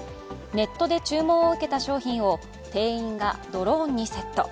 ネットで注文を受けた商品を店員がドローンにセット。